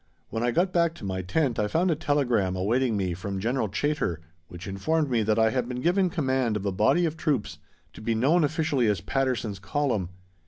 When I got back to my tent I found a telegram awaiting me from General Chaytor which informed me that I had been given command of a body of troops to be known officially as "Patterson's Column."